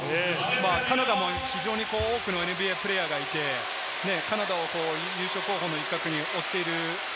カナダも非常に多くのＮＢＡプレーヤーがいて、カナダを優勝候補の一角におしている。